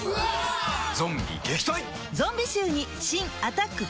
ゾンビ撃退！